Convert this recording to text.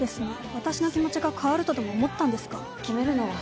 私の気持ちが変わるとでも思ったんですか？